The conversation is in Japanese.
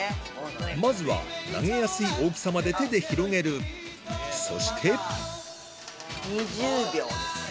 まずは投げやすい大きさまで手で広げるそして２０秒ですね